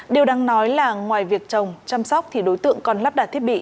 điều đáng nói là ngoài việc trồng chăm sóc thì đối tượng còn lắp đặt thiết bị